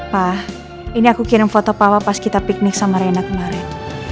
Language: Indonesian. wah ini aku kirim foto papa pas kita piknik sama reina kemarin